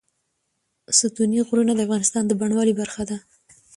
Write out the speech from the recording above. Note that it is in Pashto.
ستوني غرونه د افغانستان د بڼوالۍ برخه ده.